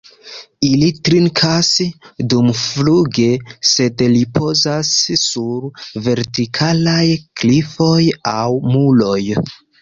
Ili trinkas dumfluge, sed ripozas sur vertikalaj klifoj aŭ muroj.